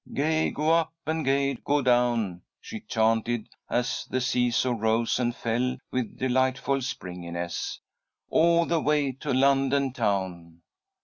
"Gay go up, and gay go down," she chanted, as the seesaw rose and fell with delightful springiness. "All the way to London town."